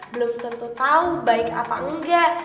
belum tentu tahu baik apa enggak